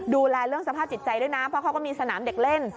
ดูแลเรื่องสภาพจิตใจด้วยนะเพราะเขาก็มีสนามเด็กเล่น